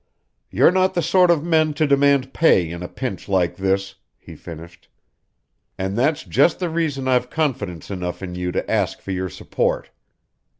"You're not the sort of men to demand pay in a pinch like this," he finished, "and that's just the reason I've confidence enough in you to ask for your support.